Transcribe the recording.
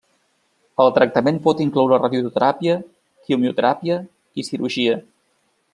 El tractament pot incloure radioteràpia, quimioteràpia i cirurgia.